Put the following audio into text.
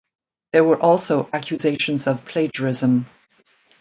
There were also accusations of plagiarism.